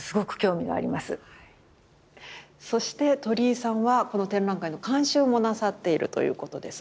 そして鳥居さんはこの展覧会の監修もなさっているということですが。